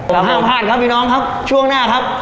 ห้ามพลาดครับพี่น้องครับช่วงหน้าครับ